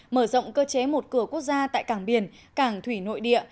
mở rộng cơ chế một cửa quốc gia tại cảng biển cảng thủy nội địa